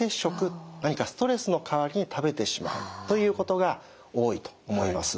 何かストレスの代わりに食べてしまうということが多いと思います。